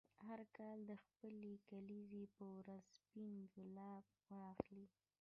هر کال د خپلې کلیزې په ورځ سپین ګلاب واخلې.